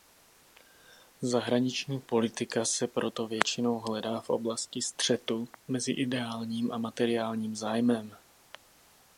Zahraniční politika se proto většinou hledá v oblasti střetu mezi ideálním a materiálním zájmem.